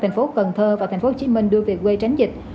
tp cần thơ và tp hcm đưa về quê tránh dịch